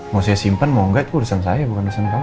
mau saya simpan mau enggak itu urusan saya bukan urusan kamu